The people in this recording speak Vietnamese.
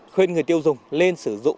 khuyên người tiêu dùng lên sử dụng